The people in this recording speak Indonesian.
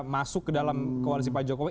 masuk ke dalam koalisi pak jokowi